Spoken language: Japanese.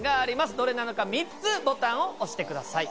どれなのか３つボタンを押してください。